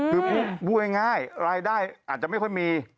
คือพูดง่ายรายได้อาจจะไม่ค่อยมี